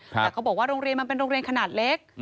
แต่เขาบอกว่าโรงเรียนมันเป็นโรงเรียนขนาดเล็ก